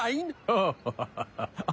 ハハハハハ